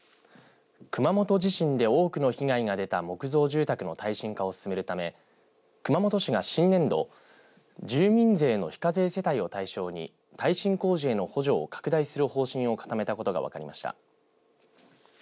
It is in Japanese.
熊本地震で多くの被害が出た木造住宅の耐震化を進めるため熊本市が新年度住民税の非課税世帯を対象に耐震工事への補助を拡大する方針を固めたことが分かりました。